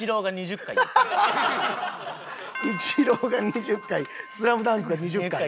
イチローが２０回『ＳＬＡＭＤＵＮＫ』が２０回。